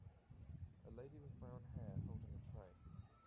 A lady with brown hair holding a tray.